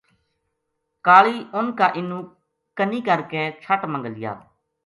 کالی اُن کا اِنو کنی کر کے َچھٹ ما گھلیا